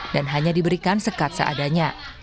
dan hanya diberikan sekat seadanya